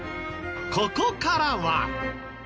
ここからは。